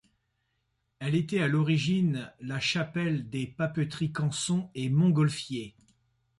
Elle était à l’origine la chapelle des papeteries Canson & Montgolfier.